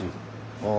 あ。